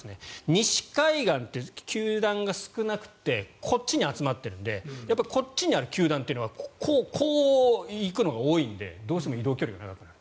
西海岸って球団が少なくてこっちに集まっているのでこっちにある球団はこう行くのが多いのでどうしても移動距離が長くなる。